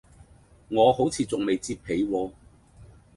我好似仲未摺被喎